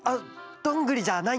どんぐりじゃない！